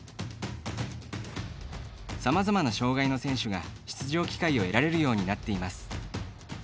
さまざまな障がいの選手が出場機会を得られるようになっています。